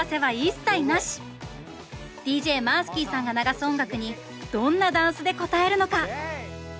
ＤＪＭＡＲＳＫＩさんが流す音楽にどんなダンスで応えるのか